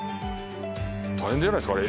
大変じゃないですか？